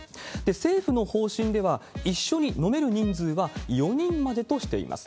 政府の方針では、一緒に飲める人数は４人までとしています。